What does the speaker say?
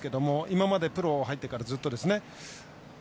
今までプロ入ってからずっとですね。